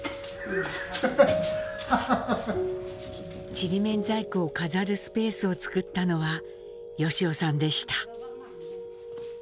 ちりめん細工を飾るスペースを作ったのは由夫さんでした。